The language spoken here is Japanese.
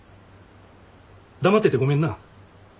黙っててごめんな。